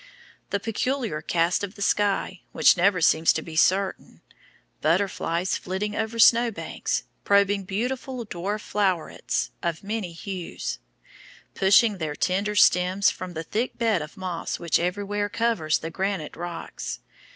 The peculiar cast of the sky, which never seems to be certain, butterflies flitting over snowbanks, probing beautiful dwarf flowerets of many hues, pushing their tender, stems from the thick bed of moss which everywhere covers the granite rocks.